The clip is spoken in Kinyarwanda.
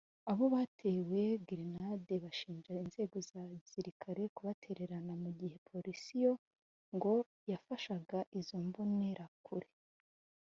Abo batewe gerenade bashinja inzego za gisirikare kubatererana mu gihe Polisi yo ngo yafashaga izo mbonerakure